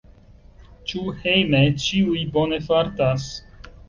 Ĉu hejme ĉiuj bone fartas?